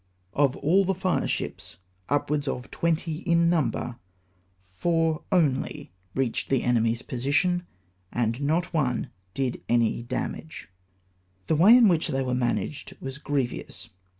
Of all the fireships, upwards of twenty in number, four only reached the eiiemy's position^ and not one did any damage I The way in wliich they were managed was grievous.